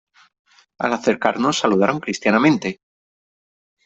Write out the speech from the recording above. al acercarnos saludaron cristianamente :